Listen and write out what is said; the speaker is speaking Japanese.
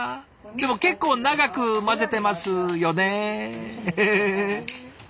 でも結構長く混ぜてますよねフフフフ。